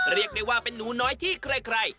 เรียกได้ว่าเป็นหนูน้อยที่ใคร